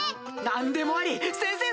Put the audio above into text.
何でもあり先生